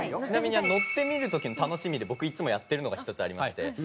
ちなみに乗ってみる時の楽しみで僕いつもやってるのが１つありまして。